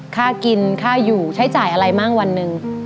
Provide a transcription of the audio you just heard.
ค่ากินค่าอยู่ใช้จ่ายอะไรมั่งวันหนึ่ง